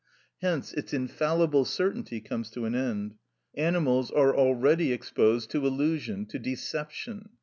Hence its infallible certainty comes to an end. Animals are already exposed to illusion, to deception.